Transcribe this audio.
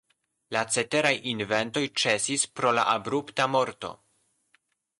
La ceteraj inventoj ĉesis pro la abrupta morto.